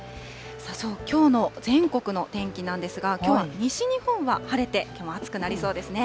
きょうの全国の天気なんですが、きょうは西日本は晴れて、きょうも暑くなりそうですね。